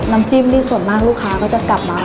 น้ำจิ้มนี่ส่วนมากลูกค้าก็จะกลับมา